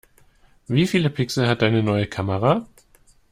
Wie viele Pixel hat deine neue Kamera?